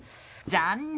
残念！